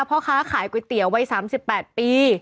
พ่อค้าขายก๋วยเตี๋ยววัย๓๘ปี